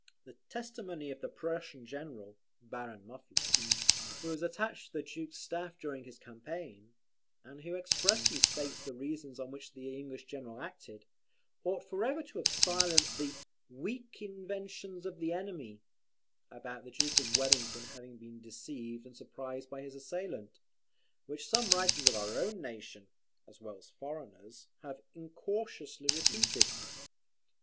The testimony of the Prussian general, Baron Muffling, who was attached to the Duke's staff during the campaign, and who expressly states the reasons on which the English general acted, ought for ever to have silenced the "weak inventions of the enemy" about the Duke of Wellington having been deceived and surprised by his assailant, which some writers of our own nation, as well as foreigners, have incautiously repeated.